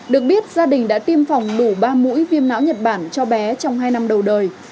được biết gia đình đã tiêm phòng đủ ba mũi viêm não nhật bản cho bé trong hai năm đầu đời